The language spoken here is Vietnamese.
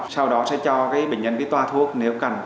sau đó sẽ cho cái bệnh nhân cái toa thuốc nếu cần